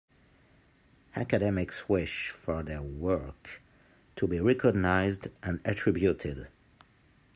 Academics wish for their work to be recognized and attributed.